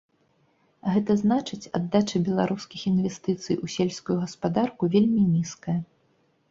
Гэта значыць, аддача беларускіх інвестыцый у сельскую гаспадарку вельмі нізкая.